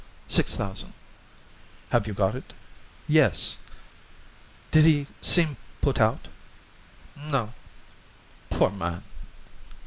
"Six thousand." "Have you got it?" "Yes. "Did he seem put out?" "No." "Poor man!"